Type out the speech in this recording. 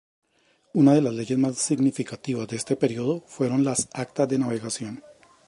Una de las leyes más significativas de este período fueron las Actas de Navegación.